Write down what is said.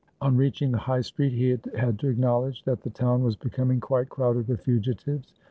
On reaching the High Street he had to acknowl edge that the town was becoming quite crowded with fugitives.